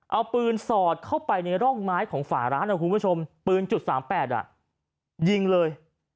เอาปืนสอดเข้าไปในร่องไม้ของฝาร้านนะคุณผู้ชมปืน๓๘ยิงเลย